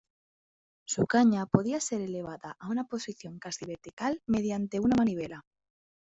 Su caña podía ser elevada a una posición casi vertical mediante una manivela.